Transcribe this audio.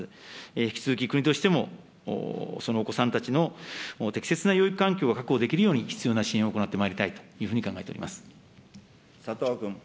引き続き国としても、そのお子さんたちの適切な養育環境を確保できるように、必要な支援を行ってまいりたいというふうに考えております。